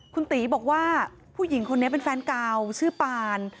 คุณตีบอกว่าผู้หญิงคนนี้เป็นแฟนเก่าชื่อปาน